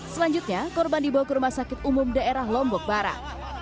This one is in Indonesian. selanjutnya korban dibawa ke rumah sakit umum daerah lombok barat